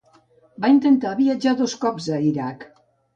Va intentar viatjar dos cops a Iraq.